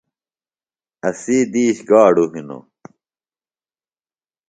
اسی دِیش گاڈُوۡ ہِنوۡ۔